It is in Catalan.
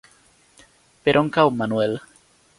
Per on cau Manuel?